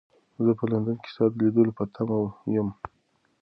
زه په لندن کې ستا د لیدلو په تمه یم.